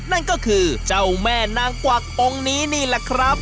นั่นก็คือเจ้าแม่นางกวักองค์นี้นี่แหละครับ